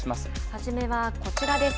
初めはこちらです。